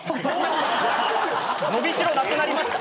伸びしろなくなりました？